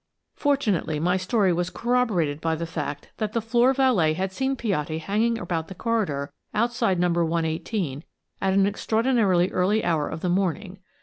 Fortunately, my story was corroborated by the fact that the floor valet had seen Piatti hanging about the corridor outside No. 118 at an extraordinarily early hour of the morning.